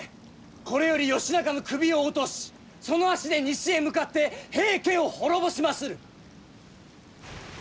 これより義仲の首を落としその足で西へ向かって平家を滅ぼしまする！